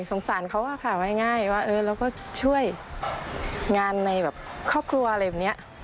สงสารเขาอะค่ะว่าง่ายว่าเราก็ช่วยงานในแบบครอบครัวอะไรแบบนี้